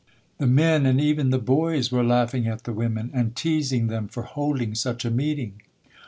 The men and even the boys were laughing at the women and teasing them for holding such a meeting.